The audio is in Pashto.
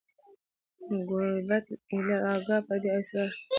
نو ګوربت ایله آګاه په دې اسرار سو